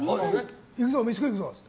飯、食い行くぞって。